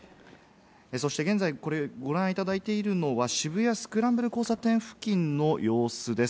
そして現在、ご覧いただいているのは渋谷スクランブル交差点付近の様子です。